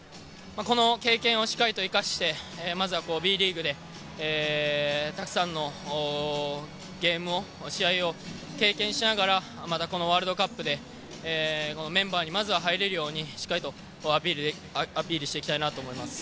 この経験をしっかりと生かして、まずはＢリーグで、たくさんのゲームを、試合を経験しながら、またこのワールドカップで、メンバーにまずは入れるようにしっかりとアピールしていきたいなと思います。